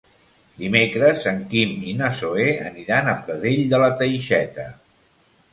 Dimecres en Quim i na Zoè aniran a Pradell de la Teixeta.